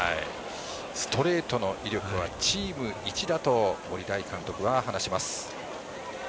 ストレートの威力はチームいちだと森大監督は話します。